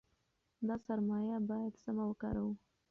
دا سرمایه باید سمه وکاروو.